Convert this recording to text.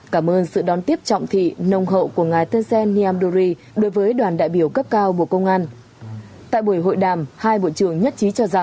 cảm ơn sự đón tiếp trọng thị nông hậu của ngài tân sên niêm đô ri